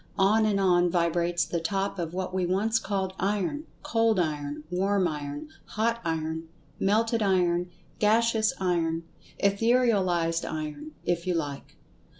On and on vibrates the Top of what we once called Iron—cold iron, warm iron, hot iron, melted iron, gaseous iron, etherealized iron, if you like.